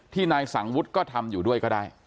นายสังวุฒิก็ทำอยู่ด้วยก็ได้